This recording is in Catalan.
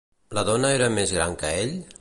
La dona era més gran que ell?